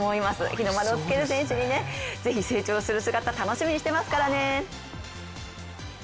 日の丸をつける選手にね、ぜひ成長する姿楽しみにしていますね。